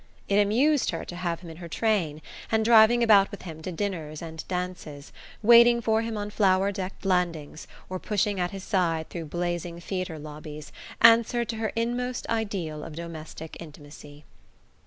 It amused her to have him in her train, and driving about with him to dinners and dances, waiting for him on flower decked landings, or pushing at his side through blazing theatre lobbies, answered to her inmost ideal of domestic intimacy.